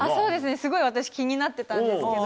すごい私、気になってたんですけど。